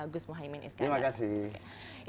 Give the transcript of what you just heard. gus muhaymin iskandar terima kasih